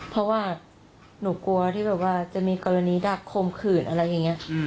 เพราะว่าหนูกลัวที่แบบว่าจะมีกรณีดักคมขืนอะไรอย่างนี้